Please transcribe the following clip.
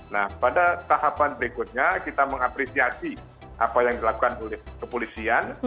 nah pada tahapan berikutnya kita mengapresiasi apa yang dilakukan oleh kepolisian